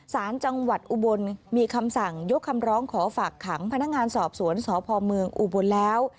สารจังหวัดอุบลมีคำสั่งยกคำร้องขอฝากขังพนักงานสอบสวนสพเมืองอุบลแล้ว